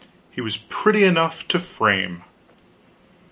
He was pretty enough to frame.